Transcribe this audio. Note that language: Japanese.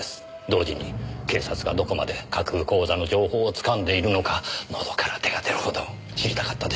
同時に警察がどこまで架空口座の情報をつかんでいるのかのどから手が出るほど知りたかったでしょう。